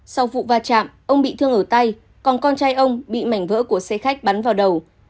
sau vụ va chạm ông bị thương ở tay còn con trai ông bị mảnh vỡ của xe khách bắn vào đầu